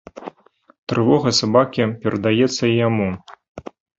Трывога сабакі перадаецца і яму.